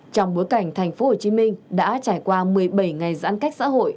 trong bối cảnh thành phố hồ chí minh đã trải qua một mươi bảy ngày giãn cách xã hội